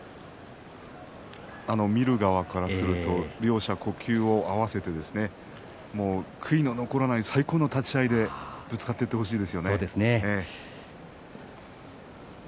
見る側からすると両者、呼吸を合わせて悔いの残らない最高の立ち合いでぶつかっていってほしいですよね。